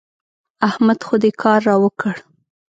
احمد خو دې کار را وکړ.